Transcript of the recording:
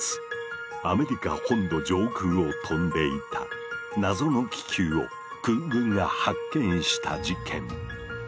アメリカ本土上空を飛んでいた謎の気球を空軍が発見した事件。